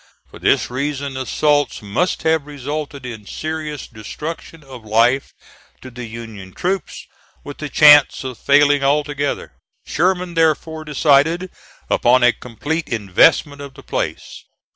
For this reason assaults must have resulted in serious destruction of life to the Union troops, with the chance of failing altogether. Sherman therefore decided upon a complete investment of the place.